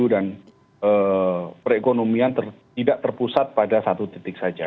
dan perekonomian tidak terpusat pada satu titik saja